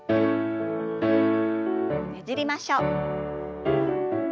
ねじりましょう。